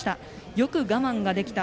よく我慢ができた。